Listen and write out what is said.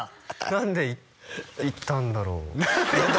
「何で行ったんだろう？」